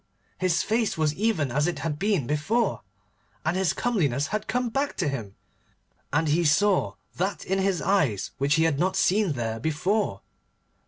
his face was even as it had been, and his comeliness had come back to him, and he saw that in his eyes which he had not seen there before.